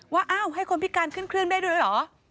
ว่าอ้าวให้คนพิการขึ้นเครื่องได้ด้วยเหรอ